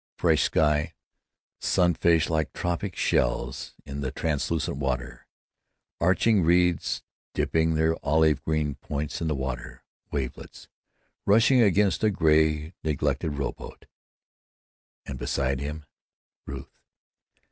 Fresh sky, sunfish like tropic shells in the translucent water, arching reeds dipping their olive green points in the water, wavelets rustling against a gray neglected rowboat, and beside him Ruth.